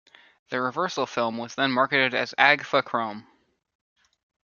The reversal film was then marketed as Agfachrome.